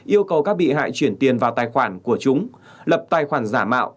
yêu cầu các bị hại chuyển tiền vào tài khoản của chúng lập tài khoản giả mạo